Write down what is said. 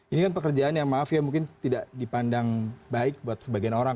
ini kan pekerjaan yang maaf ya mungkin tidak dipandang baik buat sebagian orang